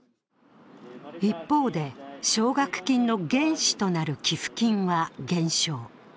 一方で、奨学金の原資となる寄付金は減少。